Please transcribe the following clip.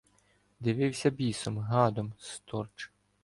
Дивився бісом, гадом, сторч.